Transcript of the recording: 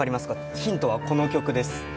ヒントはこの曲です。